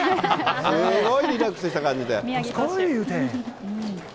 すごいリラックスした感じで。